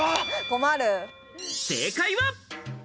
正解は。